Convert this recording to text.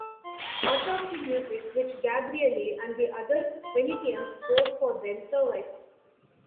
Much of the music which Gabrieli and the other Venetians wrote for them survives.